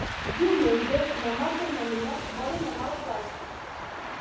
Diumenge na Marta i na Nura volen anar a la platja.